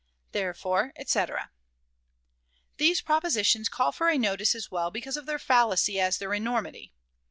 Therefore, etc. These propositions call for a notice as well because of their fallacy as their enormity.